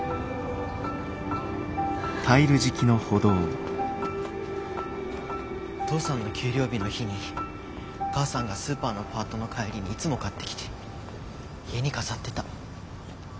お父さんの給料日の日にお母さんがスーパーのパートの帰りにいつも買ってきて家に飾ってた。